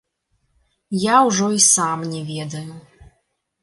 Я ўжо і сам не ведаю.